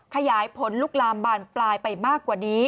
ขยายผลลุกลามบานปลายไปมากกว่านี้